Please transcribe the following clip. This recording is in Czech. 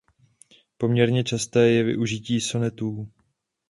Poměrně časté je využití sonetů.